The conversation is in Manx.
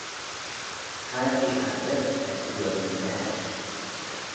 Paardee ad rish ec oor nyn maaish.